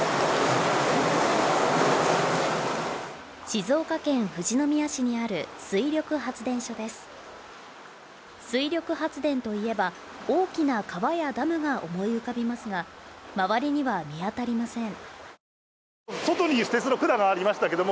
静岡県富士宮市にある水力発電所です水力発電といえば大きな川やダムが思い浮かびますが周りには見当たりません